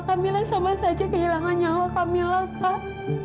kak mila sama saja kehilangan nyawa kak mila kak